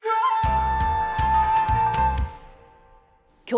はい。